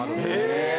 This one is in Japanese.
へえ！